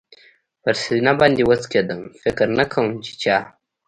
پر سینه باندې و څکېدم، فکر نه کوم چې چا.